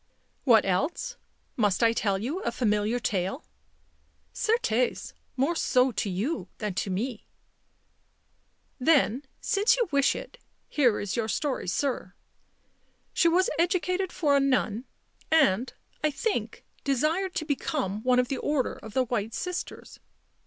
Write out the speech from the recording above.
" What else? I must tell you a familiar tale." u Certes, more so to you than to me." " Then, since you wish it, here is your story, sir. She was educated for a nun and, I think, desired to become one of the Order of the White Sisters.